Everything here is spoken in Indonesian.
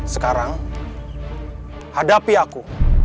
sekarang hadapi aku